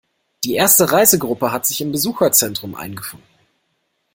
Die erste Reisegruppe hat sich im Besucherzentrum eingefunden.